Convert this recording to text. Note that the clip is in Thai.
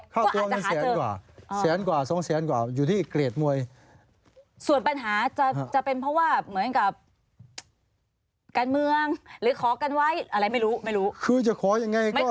ก็อ่านตามข่าวมา